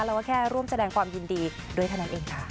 เราก็แค่ร่วมแสดงความยินดีด้วยเท่านั้นเองค่ะ